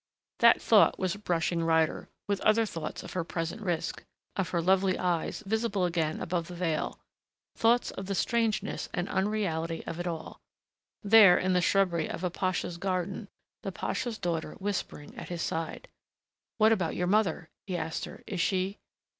That thought was brushing Ryder ... with other thoughts of her present risk ... of her lovely eyes, visible again, above the veil, thoughts of the strangeness and unreality of it all ... there in the shrubbery of a pasha's garden, the pasha's daughter whispering at his side. "What about your mother ?" he asked her. "Is she